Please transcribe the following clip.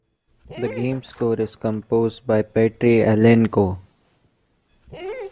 The game's score is composed by Petri Alanko.